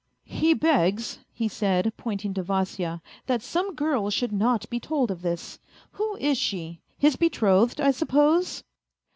" He begs," he said, pointing to Vasya, "that some girl should not be told of this. Who is she his betrothed, I suppose